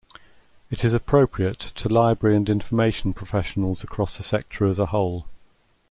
It is appropriate to library and information professionals across the sector as a whole.